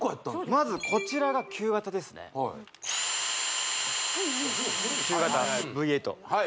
まずこちらが旧型ですね旧型Ｖ８